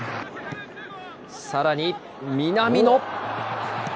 さらに、南野。